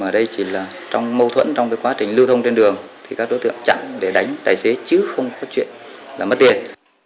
vẫn trong quá trình lưu thông trên đường thì các đối tượng chặn để đánh tài xế chứ không có chuyện là mất tiền